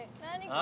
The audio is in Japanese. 何？